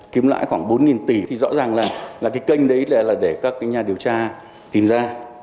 kiếm lãi khoảng bốn tỷ thì rõ ràng là cái kênh đấy là để các cái nhà điều tra tìm ra